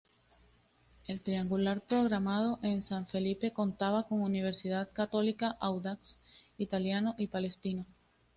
El triangular programado en San Felipe contaba con Universidad Católica, Audax Italiano y Palestino.